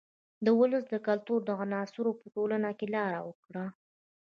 د ولس د کلتور عناصرو په ټولنه کې لار وکړه.